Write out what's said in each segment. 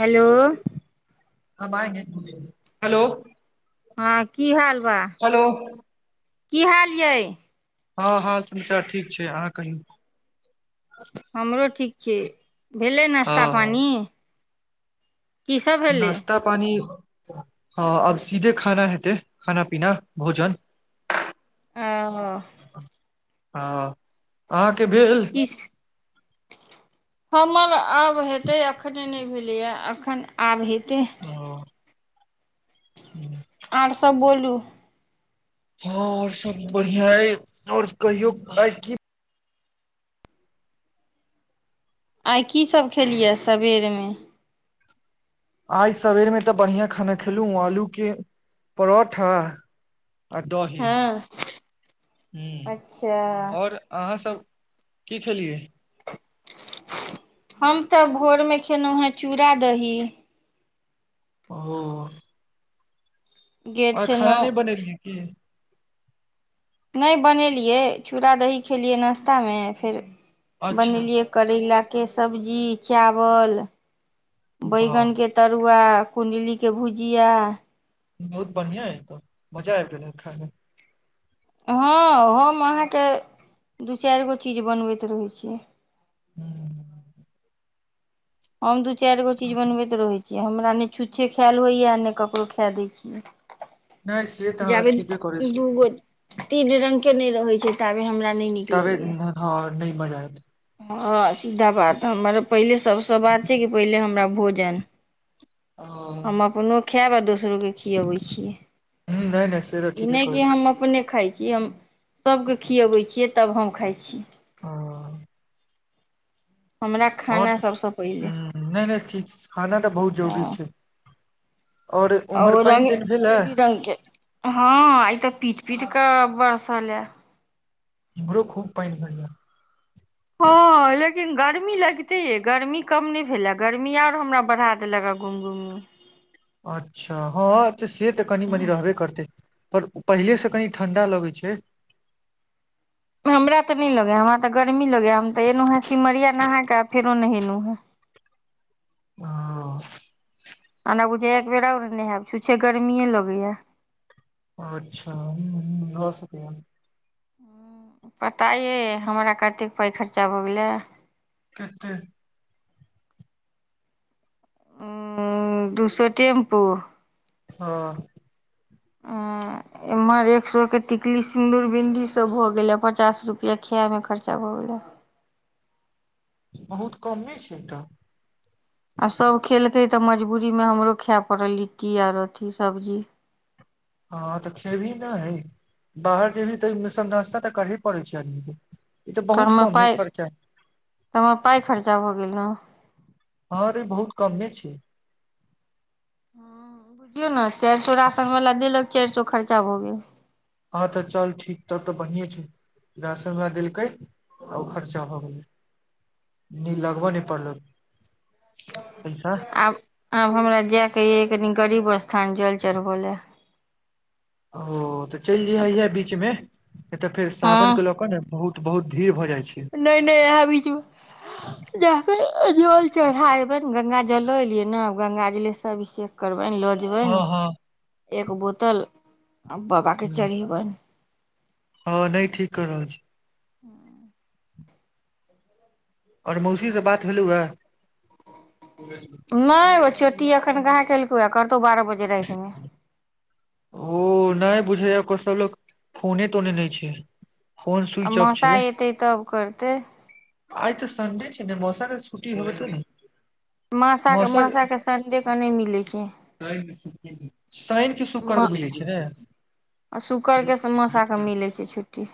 Hello hello हँ की हाल बा की हाल यै हँ हँ हाल समाचार ठीक छैय अहाँ कहियौ हमरो ठीक छैय भेलै नश्ता हँ पानि नास्ता पानी हऽ अब सीधे खाना हेतै खाना पीना भोजन अऽऽ हँ अहाँके भेल [unintelligible] हमर आब हेतै अखने नहि भेलैये अखन आब हेतै हँ आर सब बोलू हँ आओर सब बढ़ियां अहि और कहियौ भाइजी आइ की सब खेलियै सबेर मऽ आइ सबेर में तऽ बढ़ियां खाना खेलूहें अलू कऽ परोठा आ दही हँ हुँ अच्छा आओर अहाँ सब की खेलियै हम तऽ भोरमे खेलहुँ हेँ चूड़ा दही ओ गेल अहाँ खाना छलहुँ नहि बनेलियै की नहि बनेलियै चूड़ा दही खेलियै नाश्तामे फेर अच्छा बनेलियै करैलाके सब्जी चावल वाह बैगनके तरुआ कुण्डलीके भुजिया बहुत बढ़ियाये तऽ मजा आबि गेलैहें खााय मऽ हँ हम अहाँके दू चारि गो चीज बनबैत रहै छियै हू हम दू चारि गो चीज बनबै तऽ रहै छै जे हमरा नय छुच्छे खैल होइए नय ककरो खै दै छियै नहि से तऽ अहाँ जाबे ठीके करै छी दूगो तीन रंग के नय रहै छै ताबे हमरा नय नीक तबे लगैया हँ नय मजा ऐत हँ सीधा बात हमर पहिले सभसँ बात छै कि पहिले हमरा भोजन ह हम अपनो खैब आ दोसरो के खियबै छियै नहि नहि से तऽ ई ठीके नय कहै कि छी हम अप अपने खाय छी हम सबके खियबै छियै तब हम खाय छियै हँ हमरा आओर खाना सबसँ पहिले हूँ, नहि नहि ठीक खाना तऽ बहुत जरूरी हँ छै उम्हर आओर पानि रङ्ग तानि भेल हे बिरङ्गके हँ आइ तऽ पीट पीट कऽ बरसल ये इम्हरो खूब पानि भेल ये हँ लेकिन गर्मी लगिते ये गर्मी कम नय भेले गर्मी आर हमरा बढ़ा दे एल [unintelligible] गा घुम घुम अच्छा हँ तऽ से तऽ कनि मनी रहबे करतै पर उ पहिलेसँ कनी ठण्डा लगै छै हमरा तऽ नय लगे हे हमरा तऽ गर्मी लगे हे हम तऽ एलौं हें सिमरिया नहा कऽ आ फेरो नहेलौं हें ओ आना बुझैये एक बेेर आओर नहायब छुछे गर्मीए लगैये अच्छा हुँ हुँ भऽ सकैये पता यै हमरा कतेक पाइ खर्चा भऽ गेलै केत्ते उ दू सो टेम्पू हँ [inaudible] एम्हर एक सौ के टिकली सिन्दूर बिन्दीसभ भऽ गेलै आ पचास रुपया खैमे खर्चा भऽ गेलै बहुत कमे छै तऽ आ सभ खेलकै तऽ मजबूरीमे हमरो खै पड़ल लिट्टी आर अथी सब्जी हँ तऽ खेबही नय बाहर जेबही तऽ एमे सब नास्ता तऽ करहे पड़ै छै आदमीके तऽ हमर पाइ तऽ हमर पाइ खर्चा भऽ गेल न हँ अरे बहुत कमे छै देखियौ न चारि सौ राशन बला देलक चारि सौ खर्चा भऽ गेल हँ तऽ चल ठीक तब तऽ बढ़ियें छै राशन वला देलकै आ ओ खर्चा भऽ गेलै एनी लगब नय पड़लौ पैसा आब आब हमरा जायके यै कनी गरीब स्थान जल चढ़बै लए। ओ तऽ चलि जैहे इहे बीच मे नय तऽ फेर सावन के लऽ कऽ ने बहुत बहुत भीड़ भऽ जाइ छै नय नय इहे बीचमे जा केे जल चढ़ा एबैनि गंगा जल लऽ एलियै न गंगा जले से अभिषेक करबैनि लो जे हँ जेबनि हँ एक बोतल आ बाबा के हूँ, चढ़ेबनि हँ नय ठीक कऽ रहल छी हुँ [inaudible] आओर मौसी से बात भेलौये। नय ओ चोट्टी अखन कहाँ केलकौये करतौ बारह बजे रातिमे। ओ नहि बुझैय को सब लोको फोने तोने नहि छै फोन आ स्विच ऑफ मसा छै एतै तब करतै आइ तऽ सन्डे छै ने मौशाके छुट्ी हो तऽ ने मौसा मासमासाके संडेके नहि मिलैत छै शैनके शुकर बुझैतं छिहि ने आ शुकड़के मौसाके मिलै छै छुट्टी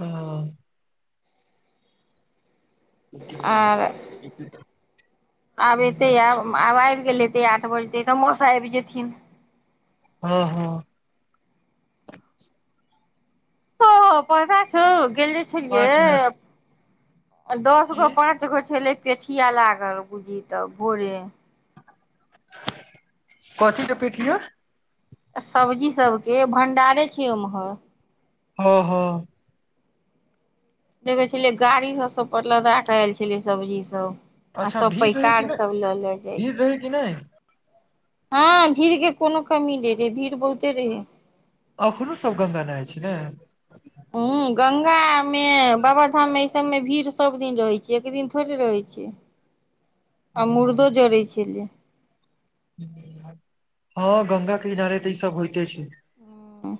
हँ आर आब एतै [inaudible] आब आबि गेलेतै आठ बजतै तऽ मौस आबि जेथिन हँ हँ ह पैसा छ गेले पाँच मिनट छलियै दस गो की पाँच कत गो छले पेठिया लागल बुझी तऽ भोरे कथी के पीठिया सब्जी सबके भं्डारे छै उम्हर हँ हँ देखै छलियै गाड़ी सब सब पर लदा क आयल छलै सब्जी सब आ अच्छा सब भीड़ रहै कि पैकार नहि सब लऽ ले जाइ भीड़ छैलै रहै कि नहि हँ भीड़ के कोनो कमी नहि रहे भीड़ बहुते रहे एखनो सब गङ्गा नइ छै ने ह गङंगा मे बाबाधाम मे सब मे भीड़ सब दिन रहै छियै एक दिन थोड़े रहै छियै आ हँ मुर्दो जड़ैत छलै हँ गंगा के इनारे तऽ ई सब होइते छै ह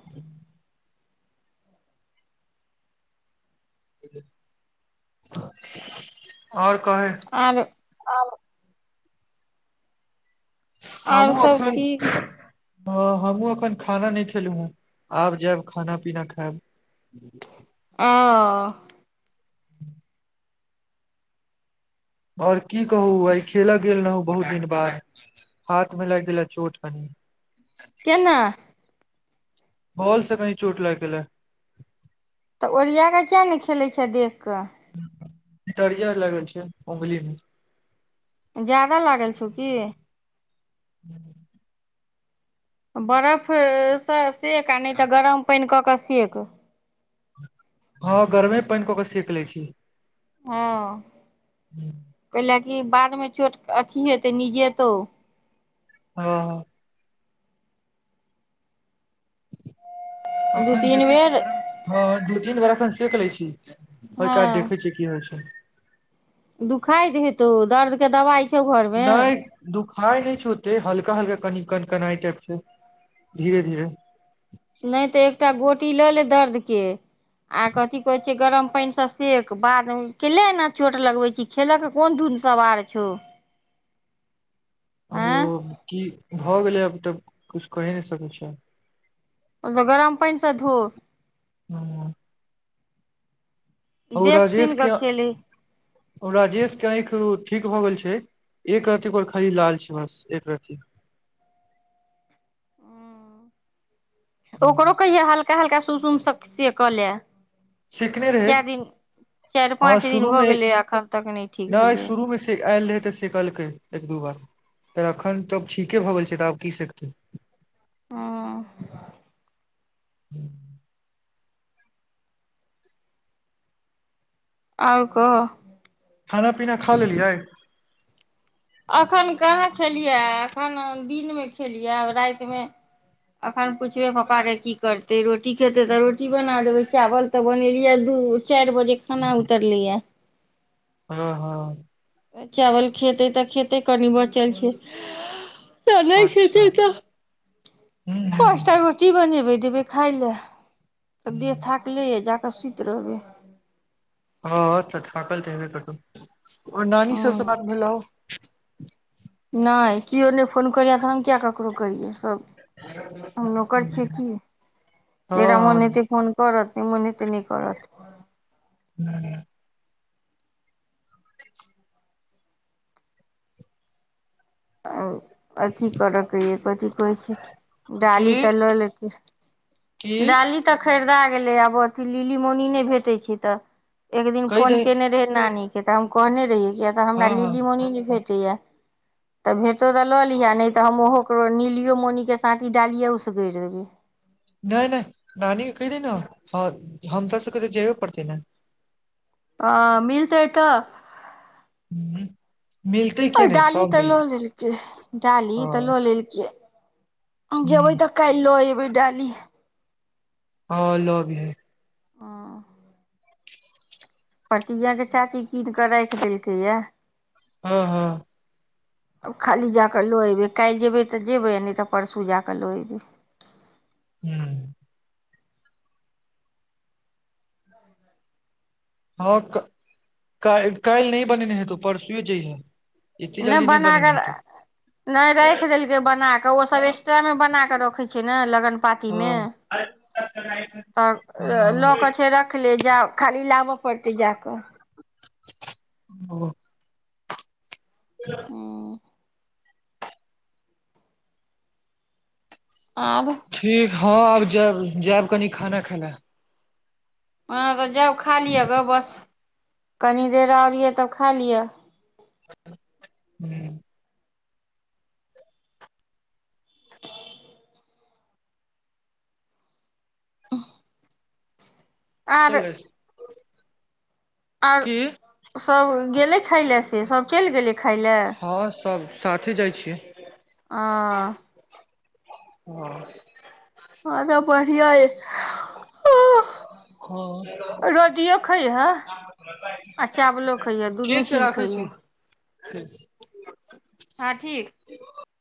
आओर कहे आओर आब आर हमूँ सब अखन ठीक छै हँ हमहहुँ अखन खाना नहि खेलहुँ हेँ आब जायब खाना पीना खायब ओ आओर की कहू आय खेलऽ गेल रहौ बहुत दिन बाद हाथ में लग गेला चोट कनी केना बॉल से कनी चोट लाग गेलै तऽ ओरिया कऽ किए नहि खेलै छिय देख कऽ तरिया लागबैछिय अंगुलीमे जादा लागल छौ की ह बर्फसँ सेक आ नहि तऽ गरम पानि कऽ कऽ सेक हँ गर्मे पानि कऽ के सेक ले छी ह ह कैल कि बादमे चोट अथी हेतै नि जेेतौ हँ दू अखन तीन देखै छी बेर गरम ह दू तीन बार अखन सेक लैय छिसे ओके हँ बाद देखै छी। की होय छैय। दुखाइत हेतौ दर्द के दवाई। दई। दुखाय नैय छो योते हल्का हल्का कनि कन कनाइ टाइप छैय धीरे धीरे। नहि तऽ एकटा गोटी लऽ ले दर्दके आ कथि कहे छैय गरम पाइन से सेक बाद केला एना चोट लगवे छी ही। खेल ऽके कोन धूध सवार छौ। आँय अहोव की भऽ गेलै आब तऽ कछु कहि नैय सकै छियाई गरम पाइन स धो। हुम्म हो देख राजेश सुनि कऽ क्या खेले राजेश के आंखि ठीक भ गेल छैयएक आँख खाली लाल छैय बस एक रती ओकरो कहिये हल्का हल्का सुसुम स से कऽ ले। सिखने रहै कए दिन चारि हँ पाँच दिन शुरू भ मे गेलैए एखन तक नैय ठीक नहि भेलैए। शुरू मे आयल रहै तऽ सेक लकई एक दू बार फेर अखन तऽब ठीके भऽ गेल छै तऽ आब की सेकतई अऽ आऊऽकह,। खाना पीना खा लेलियै एखन कहाँ खेलियै एखन दिनमे खेलियै रातिमे अखन पुछबे पपा के की करत। ते रोटी खेतै तऽ रोटी बना देबै चावल तऽ बनेलियै धू चार बजे खाना उत्तरलै या। हँ हँ। चावल खेतै तऽ खेतै कनि बचल, छैय अच्छा हूहू पाँचटार रोटी बनेबे देबे खााय ले देह थाकले ये जाके सुति रहबै। हँ तऽ थाकल तऽ हेबे करतओर नानी हँ सबसँ बात भेलऊ नैय केओ नै फोन करिय तऽ हम किया ककरो करियै सभ नकर छियाई की हँ जकरा मोन हेते फोन। करत मोन हेते नैय करत। नहि [unintelligible] अभी करयके यए कथि कहैत छै की डाली तऽ लऽ लेते। की डाली तऽ खरीदा गेलै आब अथी लिली मौनी न नैय भेटै छै तऽ। एक दिन कहि फोन दही केने रहै नानीे कतऽ हम कहने रहियै कि अ तऽ हँ हमरा हँ लिली मौनी नैय भेटैया। तऽ भेटो तऽ लऽ लिह नहि तऽ हम ओहो ककरो नीलियो मौनीके साँथी डालिे उसकर देबै, नैय नैय नानी क कहेऽ देहीना हम त सब कऽ जयबे पड़त नैय आ मिलतै त हू। डाली तऽ लऽ लेलक डाली हँ तऽ लऽ लेलक, जेबै हूँ तऽ काल्हि ल एबै डाली हँ लऽ आवि है हाअ प्रतिज्ञा केँ चाची कीन कऽ राइख देलकै या [unintelligible] अब खाली जा कऽ लऽ अयबै काइल जेयबै तऽ जेयबै नै तऽ परसू जा कऽ लऽ अयबै हू। हँ क [inaudible] काइ काइल नै बनेने हेतो परसुए जइहे एते नै जल्दी नहि बन बनेने हेतौ [unintelligible] नै राइख देलकै बना कऽ ओ सब एक्स्ट्रा में बना कऽ रखे छियै ने लगन पाती में हँ तब हँ लऽ कऽ छै रख ले जा खाली लाब पड़तै जा कऽ [unintelligible] [unintelligible] हूँ आब ठीक हँ आब जायब जायब कनि खाना खै लऽ अहाँ कऽ जाउ खा लिअ ग बस कनी देर और यऽ तब खा लिअ। [unintelligible] [unintelligible] [unintelligible] आर चल आर की [inaudible] सब गेलै खाय लए से सब चैल गेलै खाय लए ह सब साथे जाय छिये अ ह हऽ ह तऽ बढ़िआ य हँ [unintelligible] [inaudible] रोटियो खै हे आ चावलो खै हे दुनू ठीक छै चीज राखै खैहे [unintelligible] ह ठीक